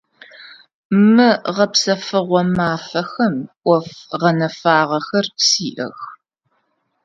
Мы гъэпсэфыгъо мафэхэм ӏоф гъэнэфагъэхэр сиӏэх.